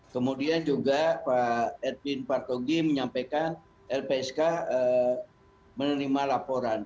kemudian juga pak edwin partogi menyampaikan lpsk menerima laporan